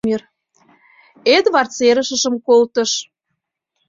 Эдвард серышыжым колтыш.